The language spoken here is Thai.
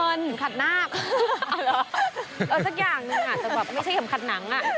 เหมือนขัดหน้ากสักอย่างหนึ่งอ่ะแต่ไม่ใช่เหมือนขัดหนัง